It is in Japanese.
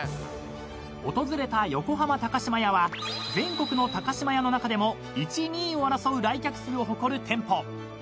［訪れた横浜島屋は全国の島屋の中でも１・２位を争う来客数を誇る店舗］